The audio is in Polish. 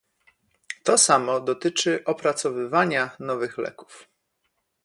To samo dotyczy opracowywania nowych leków